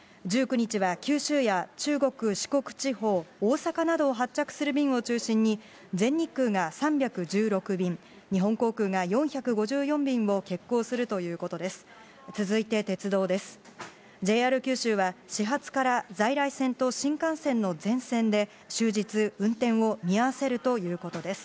１９日は九州や中国、四国地方、大阪などを発着する便を中心に、全日空が３１６便、日本航空が４５４便を欠航するということです。